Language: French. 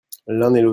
l'un et l'autre.